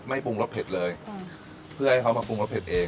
ปรุงรสเผ็ดเลยเพื่อให้เขามาปรุงรสเผ็ดเอง